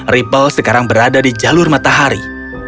ripple sekarang berada di jalur matahari